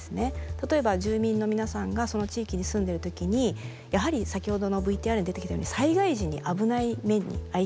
例えば住民の皆さんがその地域に住んでる時にやはり先ほどのＶＴＲに出てきたように災害時に危ない目に遭いたくはない。